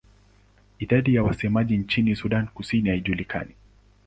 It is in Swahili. Idadi ya wasemaji nchini Sudan Kusini haijulikani.